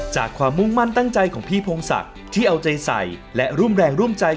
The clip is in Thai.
ความมุ่งมั่นตั้งใจของพี่พงศักดิ์ที่เอาใจใส่และร่วมแรงร่วมใจ